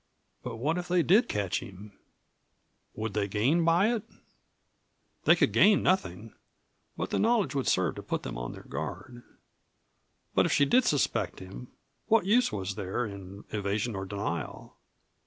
But what if they did catch him? Would they gain by it? They could gain nothing, but the knowledge would serve to put them on their guard. But if she did suspect him, what use was there in evasion or denial?